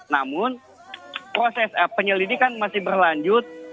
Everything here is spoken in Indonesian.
namun proses penyelidikan masih berlanjut